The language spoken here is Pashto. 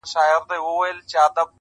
باد د غرونو غږ راوړي تل-